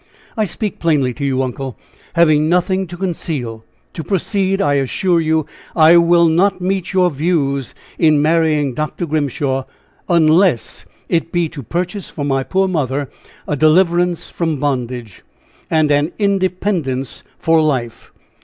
I speak plainly to you, uncle, having nothing to conceal; to proceed, I assure you I will not meet your views in marrying Dr. Grimshaw, unless it be to purchase for my poor mother a deliverance from bondage, and an independence for life.